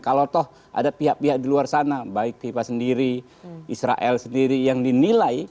kalau toh ada pihak pihak di luar sana baik fifa sendiri israel sendiri yang dinilai